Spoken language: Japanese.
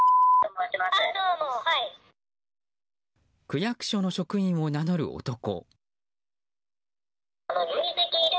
区役所の職員を名乗る男。